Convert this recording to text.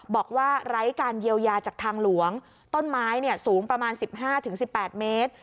ไร้การเยียวยาจากทางหลวงต้นไม้สูงประมาณ๑๕๑๘เมตร